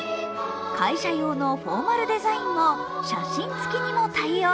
会社用のフォーマルデザインも写真付きにも対応。